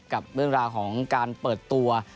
กับเรื่องราวของการเปิดตัว